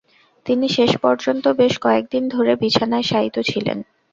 তিনি শেষ পর্যন্ত বেশ কয়েকদিন ধরে বিছানায় শায়িত ছিলেন।